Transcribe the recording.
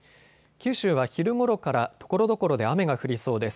九州は昼ごろからところどころで雨が降りそうです。